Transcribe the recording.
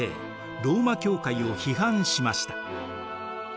ローマ教会を批判しました。